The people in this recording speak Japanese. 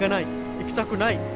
行きたくない。